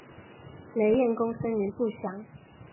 雷彦恭生年不详。